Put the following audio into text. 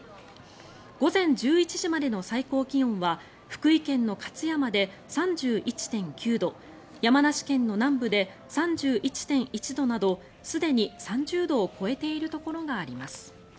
午前１１時までの最高気温は福井県の勝山で３１．９度山梨県の南部で３１．１度などすでに３０度を超えているところがあります。